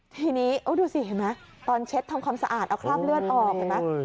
ทีนี้ดูสิเห็นไหมตอนเช็ดทำความสะอาดเอาคราบเลือดออกเห็นไหม